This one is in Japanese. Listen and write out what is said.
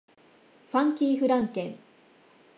ファンキーフランケン